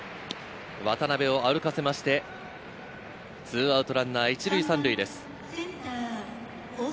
渡辺を歩かせまして、２アウトランナー１塁３塁です。